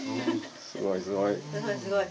すごいすごい。